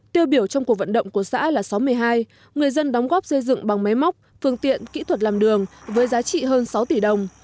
tiêu biểu trong cuộc vận động của xã là xóm một mươi hai người dân đóng góp xây dựng bằng máy móc phương tiện kỹ thuật làm đường với giá trị hơn sáu tỷ đồng